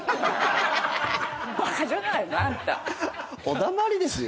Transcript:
お黙りですよ。